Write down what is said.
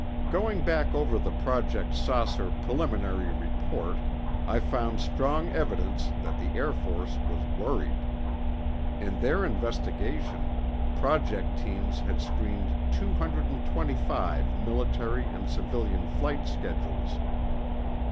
Going back over the Project "Saucer" preliminary report, I found strong evidence that the Air Force was worried. In their investigation, Project teams had screened 225 military and civilian flight schedules.